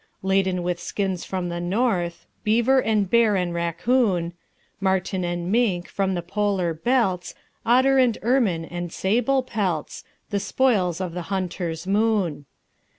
Laden with skins from the north, Beaver and bear and raccoon, Marten and mink from the polar belts, Otter and ermine and sable pelts The spoils of the hunter's moon.